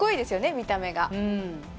見た目が。